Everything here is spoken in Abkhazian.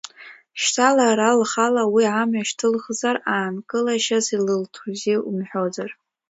Шьҭа лара лхала, уи амҩа шьҭылхзар, аанкылашьас илылҭози умҳәозар.